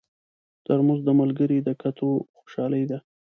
ترموز د ملګري د کتو خوشالي ده.